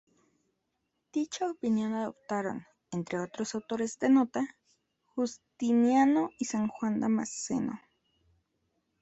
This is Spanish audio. Dicha opinión adoptaron, entre otros autores de nota, Justiniano y San Juan Damasceno.